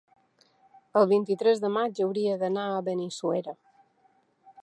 El vint-i-tres de maig hauria d'anar a Benissuera.